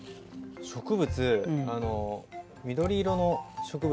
植物緑色の植物